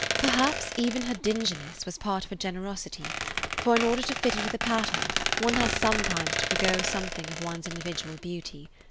Perhaps even her dinginess was part of her generosity, for in order to fit into the pattern one has sometimes to forego something of one's individual beauty.